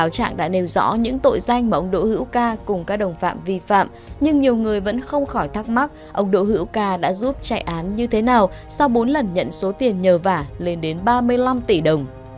ông đã nêu rõ những tội danh mà ông đỗ hữu ca cùng các đồng phạm vi phạm nhưng nhiều người vẫn không khỏi thắc mắc ông đỗ hữu ca đã giúp chạy án như thế nào sau bốn lần nhận số tiền nhờ vả lên đến ba mươi năm tỷ đồng